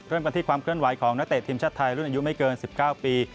เริ่มกันที่ความเคลื่อนไหวของนักเตะทีมชาติไทยรุ่นอายุไม่เกิน๑๙ปี